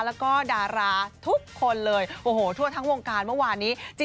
แล้วก็ดาราทุกคนเลยโอ้โหทั่วทั้งวงการเมื่อวานนี้